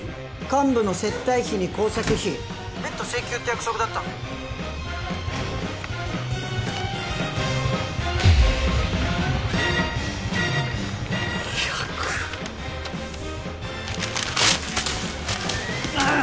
幹部の接待費に工作費別途請求って約束だったんで百ああっ！